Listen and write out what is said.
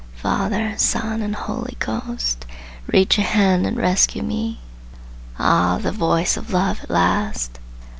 Father, Son and Holy Ghost, Reach a hand and rescue me! Ah, the voice of love at last!